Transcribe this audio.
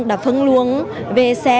đã phân luồng về xe